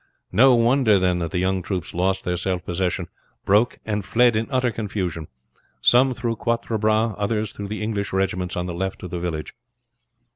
No wonder then that the young troops lost their self possession, broke, and fled in utter confusion, some through Quatre Bras others through the English regiments on the left of the village.